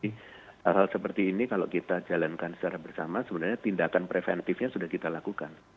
hal hal seperti ini kalau kita jalankan secara bersama sebenarnya tindakan preventifnya sudah kita lakukan